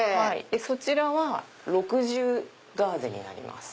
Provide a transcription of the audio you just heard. そちらは６重ガーゼになります。